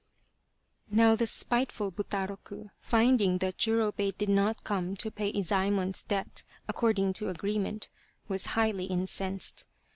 Now the spiteful Butaroku, finding that Jurobei did not come to pay Iz^mon's debt according to agreement, was highly incensed.